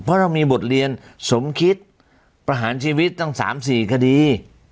เพราะเรามีบทเรียนสมคิดประหารชีวิตตั้ง๓๔คดี